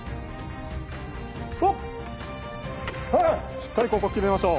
しっかりここ決めましょう。